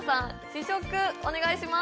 試食お願いします